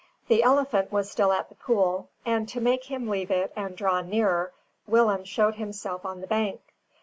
The elephant was still at the pool; and, to make him leave it and draw nearer, Willem showed himself on the bank.